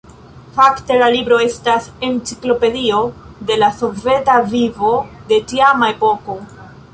Fakte la libro estas enciklopedio de la soveta vivo de tiama epoko.